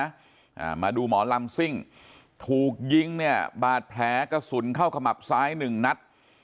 อ่ามาดูหมอลำซิ่งถูกยิงเนี่ยบาดแผลกระสุนเข้าขมับซ้ายหนึ่งนัด